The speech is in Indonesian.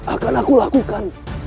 akan aku lakukan